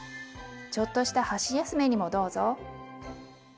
ちょっとした箸休めにもどうぞ。